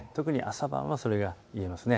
特に朝晩はそれがいえます。